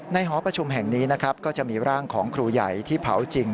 หอประชุมแห่งนี้นะครับก็จะมีร่างของครูใหญ่ที่เผาจริง